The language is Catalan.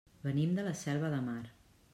Venim de la Selva de Mar.